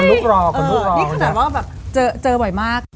นี่ขนาดว่าเจอบ่อยมาก